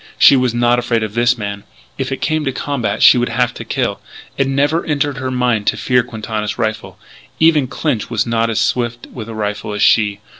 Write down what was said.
She was not afraid of this man. If it came to combat she would have to kill. It never entered her mind to fear Quintana's rifle. Even Clinch was not as swift with a rifle as she....